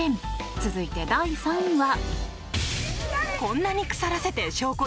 続いて、第３位は。